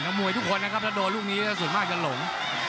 มวยทุกคนนะครับแล้วโดนลูกนี้แล้วส่วนมากจะหลง